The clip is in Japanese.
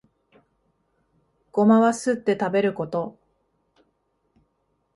ゴマはすって食べること